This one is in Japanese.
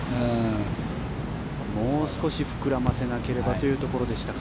もう少し膨らませなければというところでしたか。